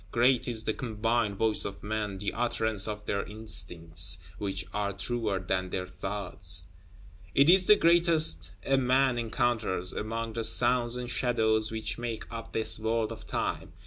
Great is the combined voice of men, the utterance of their instincts, which are truer than their thoughts; it is the greatest a man encounters, among the sounds and shadows which make up this World of Time.